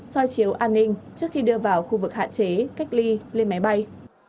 soi chiếu an ninh trước khi đưa vào khu vực hạn chế cách ly lên máy bay